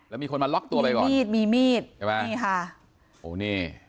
แล้วมีคนมาล็อกตัวไปก่อนมีดมีมีดใช่ไหมนี่ค่ะโอ้นี่